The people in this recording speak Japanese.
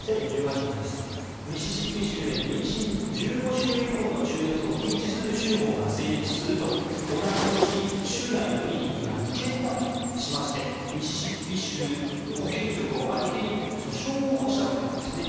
２０１８年、ミシシッピ州で妊娠１５週以降の中絶を禁止する州法が成立すると同じ年に、州内のクリニックが違憲だとしましてミシシッピ州保健局を相手に訴訟を起こしたわけなんです。